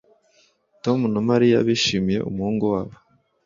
Tom na Mariya bishimiye umuhungu wabo